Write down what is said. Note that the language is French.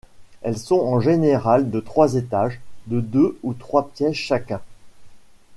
Elles sont en général de trois étages, de deux ou trois pièces chacun.